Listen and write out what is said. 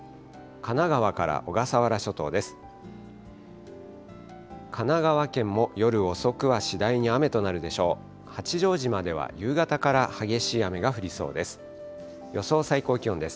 神奈川から小笠原諸島です。